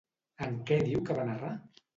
En què diu que van errar?